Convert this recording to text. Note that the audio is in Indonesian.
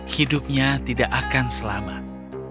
hidupnya tidak akan selamat